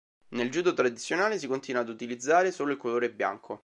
Nel judo tradizionale si continua ad utilizzare solo il colore bianco.